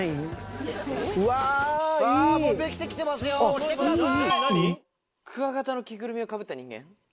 押してください！